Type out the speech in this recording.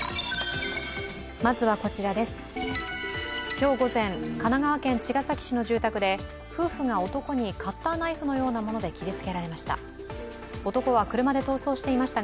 今日午前、神奈川県茅ヶ崎市の住宅で夫婦が男にカッターナイフのようなもので切りつけられました。